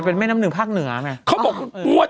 เป็นการกระตุ้นการไหลเวียนของเลือด